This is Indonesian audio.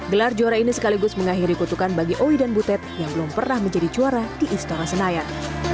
gelar juara ini sekaligus mengakhiri kutukan bagi owi dan butet yang belum pernah menjadi juara di istora senayan